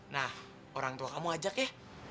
nah orang tua kamu ajak ya